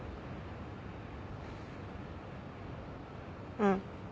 うん。